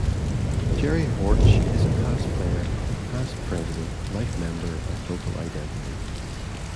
Gerry Horch is a past player, past president, life member, and local identity.